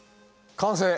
完成！